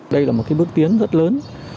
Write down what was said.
đây là một cái bước tiến rất lớn